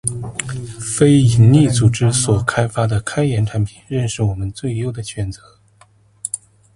非营利组织所开发的开源产品，仍是我们最优的选择